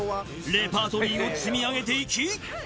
レパートリーを積み上げていき